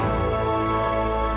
aku harus ke belakang